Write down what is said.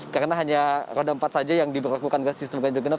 karena hanya roda empat saja yang diperlakukan dengan sistem ganjil genap